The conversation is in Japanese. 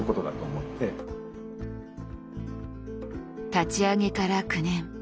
立ち上げから９年。